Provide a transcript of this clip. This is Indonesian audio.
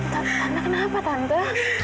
tante kenapa tante